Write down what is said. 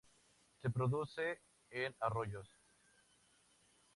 Se reproduce en arroyos.